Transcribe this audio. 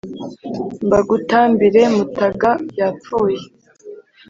mbagutambire mutaga yapfuye,